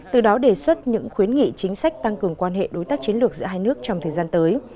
từ đó đề xuất những khuyến nghị chính sách tăng cường quan hệ đối tác chiến lược giữa hai nước trong thời gian tới